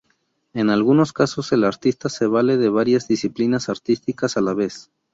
En algunos casos el artista se vale de varias disciplinas artísticas a la vez.